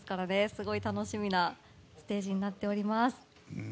すごい楽しみなステージになっております。